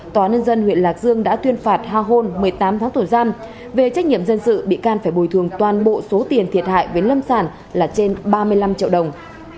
tòa nhân dân huyện lạc dương đã tuyên phạt ha hôn một mươi tám tháng tù giam về trách nhiệm dân sự bị can phải bồi thường toàn bộ số tiền thiệt hại với lâm sản là trên ba mươi năm triệu đồng